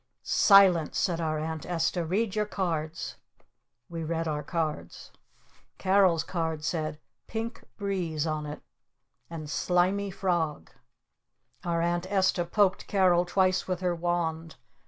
'" "Silence!" said our Aunt Esta. "Read your cards!" We read our cards. Carol's card said "PINK BREEZE" on it. And "SLIMY FROG." Our Aunt Esta poked Carol twice with her wand.